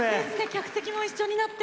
客席も一緒になって。